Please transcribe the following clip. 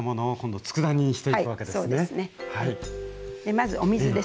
まずお水ですね。